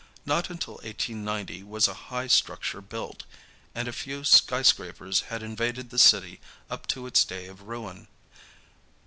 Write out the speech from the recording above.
Not until 1890 was a high structure built, and few skyscrapers had invaded the city up to its day of ruin.